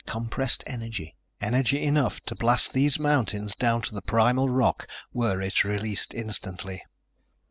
Compressed energy! Energy enough to blast these mountains down to the primal rock were it released instantly.